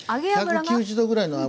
１９０℃ぐらいの油。